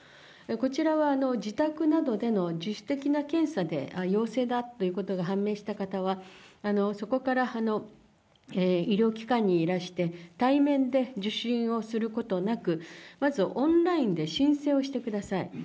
こちらは、自宅などでの自主的な検査で陽性だということが判明した方は、そこから医療機関にいらして、対面で受診をすることなく、まずオンラインで申請をしてください。